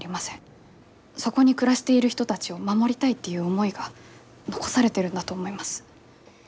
そこに暮らしている人たちを守りたいっていう思いが残されてるんだと思います。